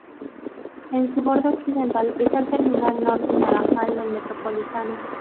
En su borde occidental está el Terminal Norte Naranjal del Metropolitano.